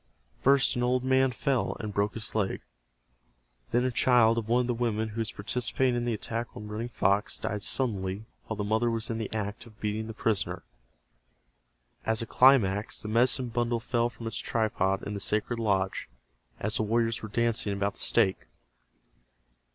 First an old man fell and broke his leg. Then a child of one of the women who was participating in the attack on Running Fox died suddenly while the mother was in the act of beating the prisoner. As a climax the medicine bundle fell from its tripod in the sacred lodge, as the warriors were dancing about the stake.